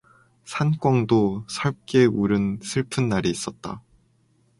산꿩도 섧게 울은 슬픈 날이 있었다.